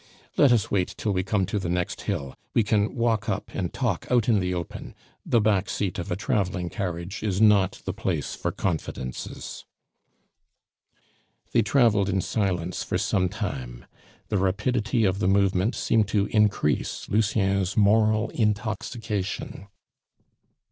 "Let us wait till we come to the next hill; we can walk up and talk out in the open. The back seat of a traveling carriage is not the place for confidences." They traveled in silence for sometime; the rapidity of the movement seemed to increase Lucien's moral intoxication.